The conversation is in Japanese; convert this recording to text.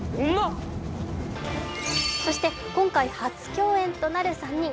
そして、今回、初共演となる３人。